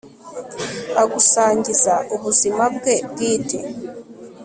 agusangiza ubuzima bwe bwite